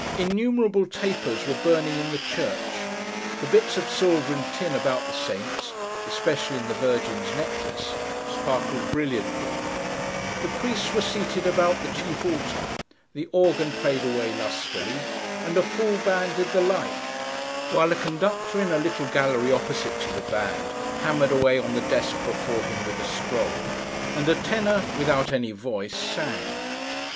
Innumerable tapers were burning in the church; the bits of silver and tin about the saints (especially in the Virgin's necklace) sparkled brilliantly; the priests were seated about the chief altar; the organ played away, lustily, and a full band did the like; while a conductor, in a little gallery opposite to the band, hammered away on the desk before him, with a scroll; and a tenor, without any voice, sang.